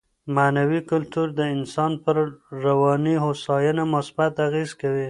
معنوي کلتور د انسان پر رواني هوساينه مثبت اغېز کوي.